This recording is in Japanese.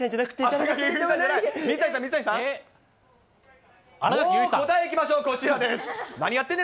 もう答えいきましょう、こちらです。